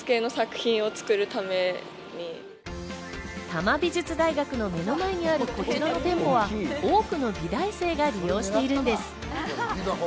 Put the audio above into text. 多摩美術大学の目の前にあるこちらの店舗は多くの美大生が利用しているんです。